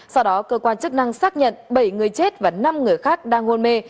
sau đó cơ quan chức năng xác nhận bảy người chết và năm người khác đang hôn mê